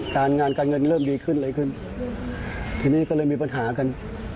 การงานการเงินเริ่มดีขึ้นอะไรขึ้นทีนี้ก็เลยมีปัญหากัน